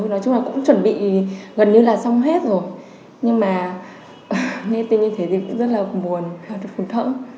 nói chung là cũng chuẩn bị gần như là xong hết rồi nhưng mà nên tình như thế thì cũng rất là buồn rất là phùn thỡ